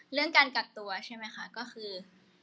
เรื่องการกักตัวใช่ไหมคะก็คือ